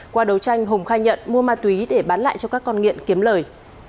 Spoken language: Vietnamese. qua đấu tranh hùng khai nhận mua ma túy để bán lại cho các con nghiện kiếm lời